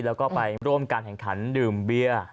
แล้วก็ไปร่วมการแข่งขันดื่มเบียร์